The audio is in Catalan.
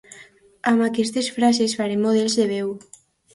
Amb aquestes frases farem models de veu.